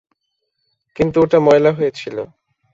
কিন্তু ওটা ময়লা হয়ে ছিল।